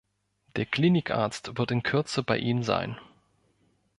Der Klinikarzt wird in Kürze bei Ihnen sein.